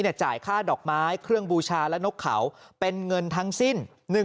จ่ายค่าดอกไม้เครื่องบูชาและนกเขาเป็นเงินทั้งสิ้น